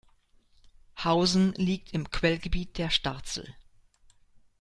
Hausen liegt im Quellgebiet der Starzel.